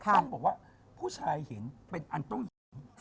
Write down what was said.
ต้องบอกว่าผู้ชายเห็นเป็นอันต้องเห็น